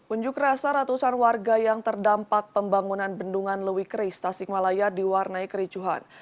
unjuk rasa ratusan warga yang terdampak pembangunan bendungan lewikri stasiun malaya diwarnai kericuhan